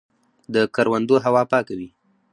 د کروندو هوا پاکه وي.